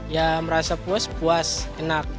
ya merasa puas puas enak